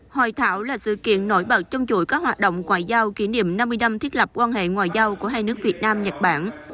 hội thảo là sự kiện nổi bật trong chuỗi các hoạt động ngoại giao kỷ niệm năm mươi năm thiết lập quan hệ ngoại giao của hai nước việt nam nhật bản